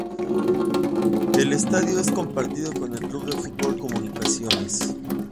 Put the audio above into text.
El estadio es compartido con el club de fútbol comunicaciones.